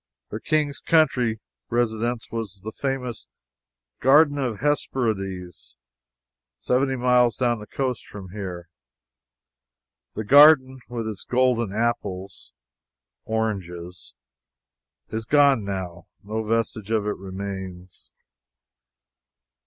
Their king's country residence was at the famous Garden of Hesperides, seventy miles down the coast from here. The garden, with its golden apples (oranges), is gone now no vestige of it remains.